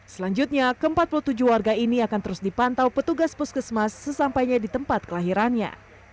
selanjutnya ke empat puluh tujuh warga ini akan terus dipantau petugas puskesmas sesampainya di tempat kelahirannya